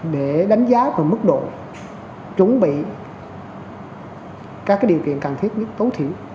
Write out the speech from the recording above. để đánh giá về mức độ chuẩn bị các điều kiện cần thiết nhất tối thiểu